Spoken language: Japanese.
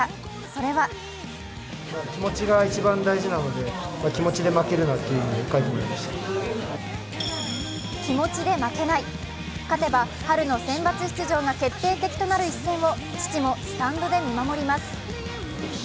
それは気持ちで負けない、勝てば春のセンバツ出場が決定的となる一戦を父もスタンドで見守ります。